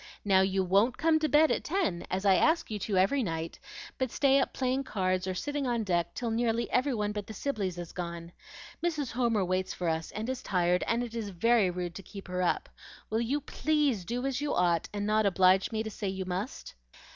Now, you WON'T come to bed at ten, as I ask you to every night, but stay up playing cards or sitting on deck till nearly every one but the Sibleys is gone. Mrs. Homer waits for us, and is tired, and it is very rude to keep her up. Will you PLEASE do as you ought, and not oblige me to say you must?"